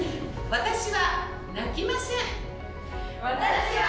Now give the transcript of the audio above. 私は泣きません。